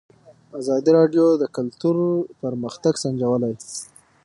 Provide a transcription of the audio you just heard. ازادي راډیو د کلتور پرمختګ سنجولی.